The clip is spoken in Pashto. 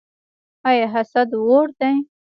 آیا حسد اور دی؟